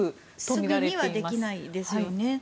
すぐにはできないですよね。